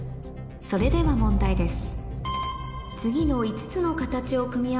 それでは問題です